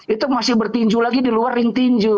itu masih bertinju lagi di luar rintinju